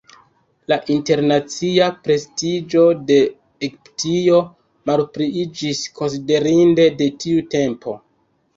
La internacia prestiĝo de Egiptio malpliiĝis konsiderinde de tiu tempo.